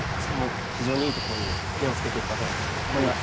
非常にいいところに目をつけているかと思います。